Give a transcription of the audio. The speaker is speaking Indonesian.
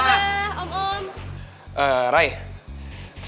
rai sebenarnya di sini